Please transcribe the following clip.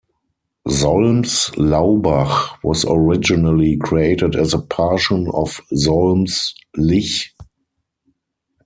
Solms-Laubach was originally created as a partition of Solms-Lich.